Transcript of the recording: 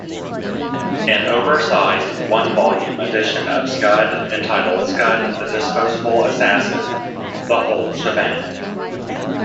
An oversized, one-volume edition of Scud entitled Scud The Disposable Assassin: The Whole Shebang!